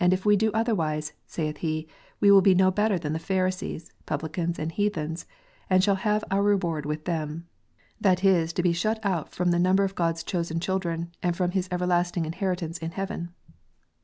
And if we do otherwise, saith He, we be no better than the Pharisees, publicans, and heathens, and shall have our reward with them, that is to be shut out from the number of God s chosen children, and from His everlasting inheritance in heaven."